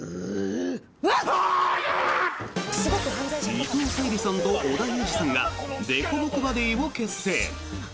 伊藤沙莉さんと織田裕二さんがでこぼこバディを結成！